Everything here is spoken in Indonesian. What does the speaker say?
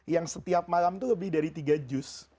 yang setiap malam itu lebih dari tiga juz